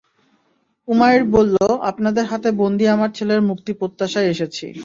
উমাইর বলল, আপনাদের হাতে বন্দী আমার ছেলের মুক্তির প্রত্যাশায় এসেছি।